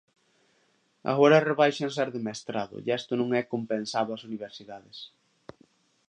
Agora rebáixanse as de mestrado, e isto non é compensado ás universidades.